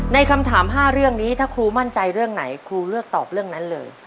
คำถาม๕เรื่องนี้ถ้าครูมั่นใจเรื่องไหนครูเลือกตอบเรื่องนั้นเลย